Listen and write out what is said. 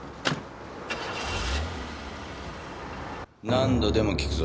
何度でも訊くぞ。